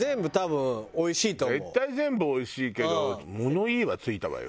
絶対全部おいしいけど物言いはついたわよ。